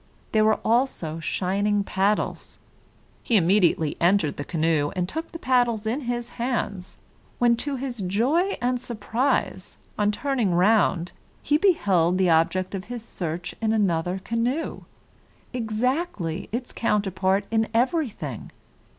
There were also shining paddles. He immediately entered the canoe, and took the paddles in his hands, when, to his joy and surprise, on turning round he beheld the object of his search in another canoe, exactly its counterpart in everything.